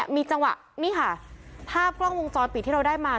มีจังหวะนี่ค่ะภาพกล้องวงจรปิดที่เราได้มา